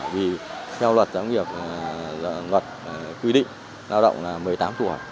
vì theo luật giáo nghiệp luật quy định lao động là một mươi tám tuổi